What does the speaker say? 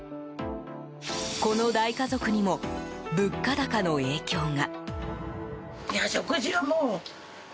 この大家族にも物価高の影響が。